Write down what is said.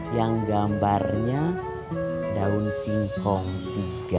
yang gambarnya daun singkong tiga